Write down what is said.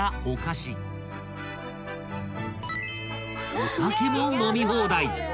［お酒も飲み放題。